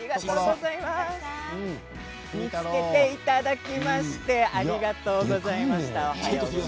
見つけていただいてありがとうございます。